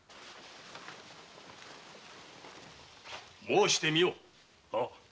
申してみよ。